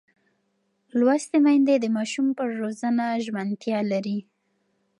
لوستې میندې د ماشوم پر روزنه ژمنتیا لري.